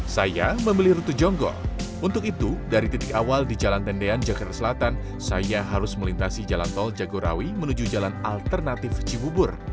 saya memilih rutu jonggol untuk itu dari titik awal di jalan tendean jakarta selatan saya harus melintasi jalan tol jagorawi menuju jalan alternatif cibubur